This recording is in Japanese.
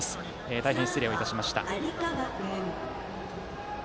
大変失礼いたしました。